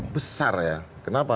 besar ya kenapa